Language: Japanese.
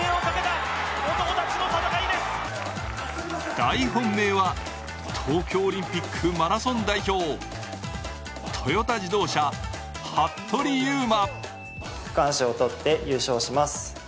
大本命は、東京オリンピックマラソン代表トヨタ自動車・服部勇馬。